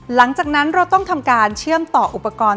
หลังจากนั้นเราต้องทำการเชื่อมต่ออุปกรณ์